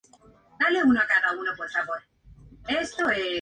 Se encuentran en Europa: Grecia.